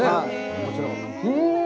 もちろん。